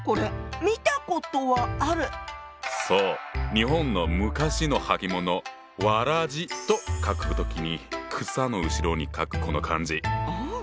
日本の昔の履物「草鞋」と書く時に草の後ろに書くこの漢字。ああ！